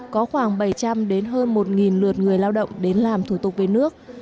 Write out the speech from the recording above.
có khoảng bảy trăm linh đến hơn một lượt người lao động đến làm thủ tục về nước